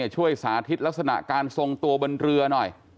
ช่วยสาธิตลักษณะการทรงตัวบนเรือหน่อย